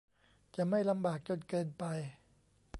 จะไม่ลำบากจนเกินไป